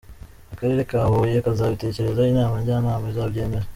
Akarere ka Huye kazabitekerezeho, inama njyanama izabyemeze.